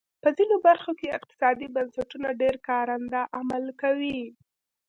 په ځینو برخو کې اقتصادي بنسټونه ډېر کارنده عمل کوي.